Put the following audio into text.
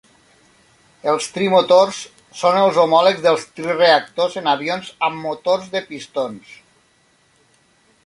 Els trimotors són els homòlegs dels trireactors en avions amb motors de pistons.